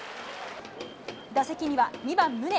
打席には２番宗。